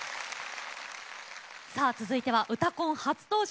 続いては「うたコン」初登場。